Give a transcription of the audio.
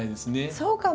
そうかも。